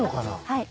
はい。